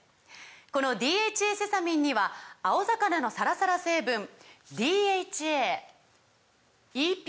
この「ＤＨＡセサミン」には青魚のサラサラ成分ＤＨＡＥＰＡ